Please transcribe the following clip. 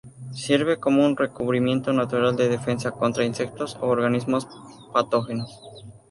Sirve como un recubrimiento natural de defensa contra insectos u organismos patógenos.